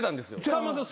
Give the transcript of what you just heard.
さんまさん